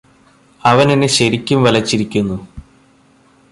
അവനെന്നെ ശരിക്കും വലച്ചിരിക്കുന്നു